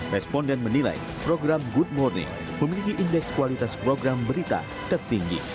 responden menilai program good morning memiliki indeks kualitas program berita tertinggi